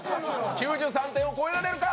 ９３点を超えられるか？